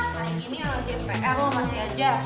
kayak gini lagi npl loh masih aja